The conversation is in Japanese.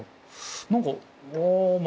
何かああ